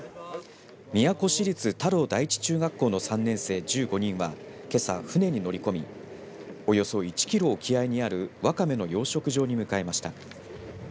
都市立田老第一中学校の３年生１５人はけさ船に乗り込みおよそ１キロ沖合にあるわかめの養殖場に向かいました。